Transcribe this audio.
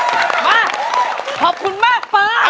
มาขอบคุณมากฟ้า